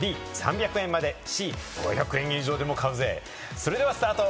それではスタート。